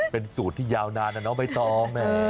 เป็นสูตรที่ยาวนานอ่ะเนาะไม่ต้อง